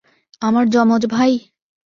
আমার জমজ ভাই?